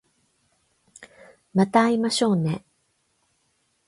また会いましょうね